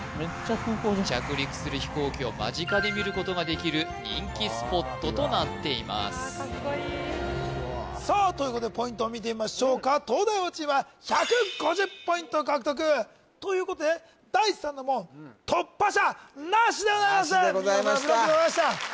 着陸する飛行機を間近で見ることができる人気スポットとなっていますさあということでポイントを見てみましょうか東大王チーム１５０ポイント獲得ということで第三の門突破者なしでございますなしでございました